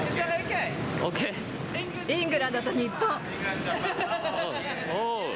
イングランドと日本。